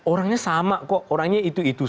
orangnya sama kok orangnya itu itu